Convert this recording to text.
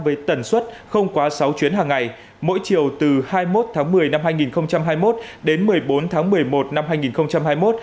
với tần suất không quá sáu chuyến hàng ngày mỗi chiều từ hai mươi một tháng một mươi năm hai nghìn hai mươi một đến một mươi bốn tháng một mươi một năm hai nghìn hai mươi một